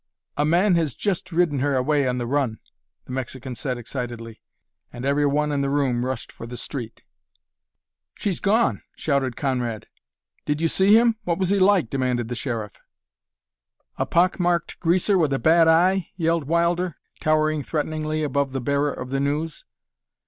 "A man has just ridden her away on the run," the Mexican said excitedly, and every one in the room rushed for the street. "She's gone!" shouted Conrad. "Did you see him? What was he like?" demanded the Sheriff. "A pock marked greaser with a bad eye?" yelled Wilder, towering threateningly above the bearer of the news.